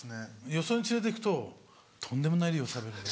よそに連れていくととんでもない量食べるので。